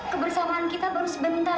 kebersamaan kita baru sebentar